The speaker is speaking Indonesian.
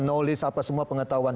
knowledge apa semua pengetahuan